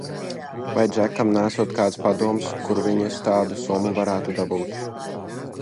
Vai Džekam neesot kāds padoms, kur viņas tādu summu varētu dabūt?